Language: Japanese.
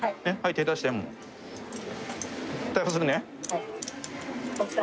はい。